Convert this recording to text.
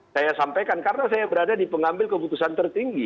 saya sampaikan karena saya berada di pengambil keputusan tertinggi